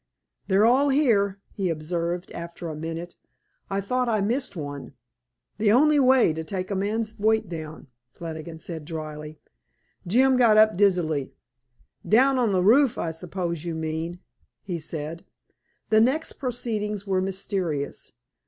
"They're all here," he observed after a minute. "I thought I missed one." "The only way to take a man's weight down," Flannigan said dryly. Jim got up dizzily. "Down on the roof, I suppose you mean," he said. The next proceedings were mysterious.